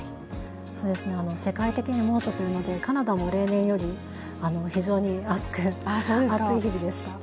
世界的に猛暑というので、カナダも例年より非常に暑い日々でした。